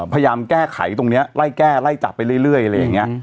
พยายามแก้ไขตรงนี้ไล่แก้ไล่จับไปเรื่อยอะไรอย่างนี้